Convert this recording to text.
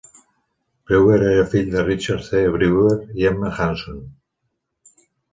Brewer era fill de Richard C. Brewer i Emma Hanson.